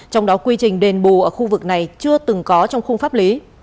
trong đó quy trình đền bù ở khu vực này chưa từng có trong khung pháp lý